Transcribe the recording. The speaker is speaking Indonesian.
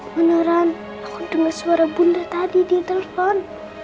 beneran aku dengar suara bunda tadi di telepon